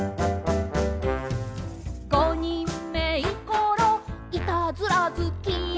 「ごにんめいころいたずら好き」